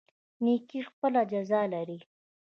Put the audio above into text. نیکي خپله جزا لري